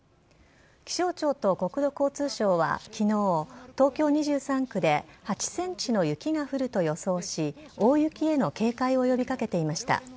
気象庁と国土交通省はきのう、東京２３区で８センチの雪が降ると予想し、大雪への警戒を呼びかけていました。